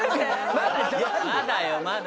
まだよまだ。